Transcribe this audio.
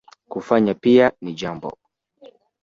Kufanya pia ni jambo